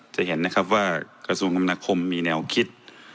จะเห็นนะครับว่ากระทรวงคำนาคมมีแนวคิด